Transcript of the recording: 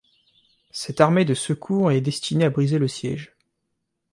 Cette armée de secours est destinée à briser le siège.